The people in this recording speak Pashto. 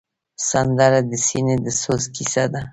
سندره د سینې د سوز کیسه ده